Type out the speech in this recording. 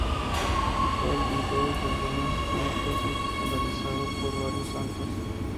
Usual en todos los reinos hispánicos y popularizado por varios santos.